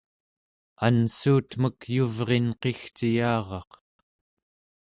anssuutmek yuvrinqigciyaraq